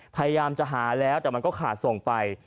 พยายามจะหาแล้วแต่มันก็ขาดส่งไป